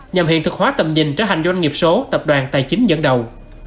nhằm hiện thực hóa tầm nhìn trở thành doanh nghiệp số tập đoàn tài chính dẫn đầu